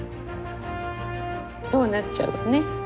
そうなっちゃうわね。